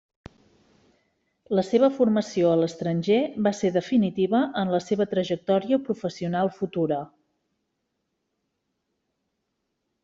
La seva formació a l'estranger va ser definitiva en la seva trajectòria professional futura.